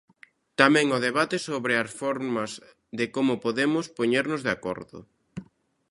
Tamén, o debate sobre as formas de como podemos poñernos de acordo.